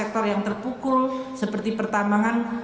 sektor yang terpukul seperti pertambangan